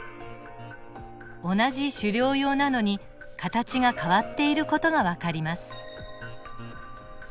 同じ狩猟用なのに形が変わっている事がわかります。